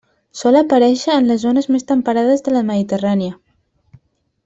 Sol aparèixer en les zones més temperades de la Mediterrània.